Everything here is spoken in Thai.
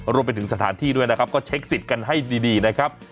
รวมไปถึงสถานที่ด้วยนะครับก็เช็คสิทธิ์กันให้ดีนะครับ